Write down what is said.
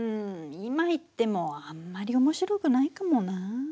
今行ってもあんまり面白くないかもなあ。